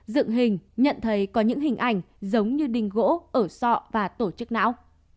dựng hình nhận thấy có những hình ảnh giống như đình gỗ ở sọ và tổ chức não